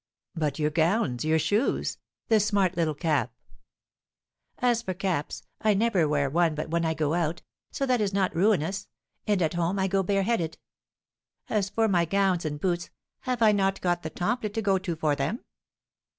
"But your gowns, your shoes, this smart little cap?" "As for caps, I never wear one but when I go out, so that is not ruinous; and, at home, I go bareheaded. As for my gowns and boots, have I not got the Temple to go to for them?"